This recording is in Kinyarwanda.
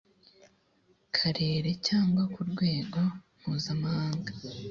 karere cyangwa ku rwego mpuzamahanga